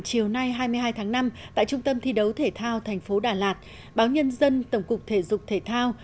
chiều nay hai mươi hai tháng năm tại trung tâm thi đấu thể thao thành phố đà lạt báo nhân dân tổng cục thể dục thể thao